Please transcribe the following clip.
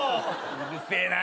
うるせえな！